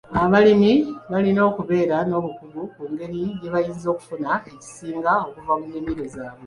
Abalimi balina okubeera n'obukugu ku ngeri gye bayinza okufuna ekisinga okuva mu nnimiro zaabwe.